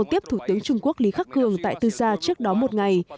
tiếp thủ tướng trung quốc lý khắc cường tại tư gia trước đó một ngày